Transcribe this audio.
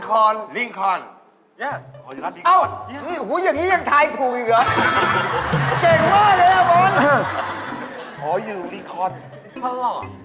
ธรรมเนียงฝังธรรมเนียง